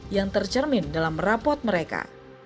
yang tercermin dalam rapot mereka